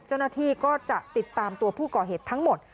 เจ้าหน้าที่ก็จะติดตามตัวผู้ก่อเหตุทั้งหมด